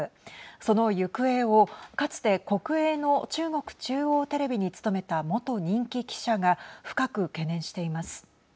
その行方をかつて国営の中国中央テレビに勤めた元人気記者が深く懸念しています。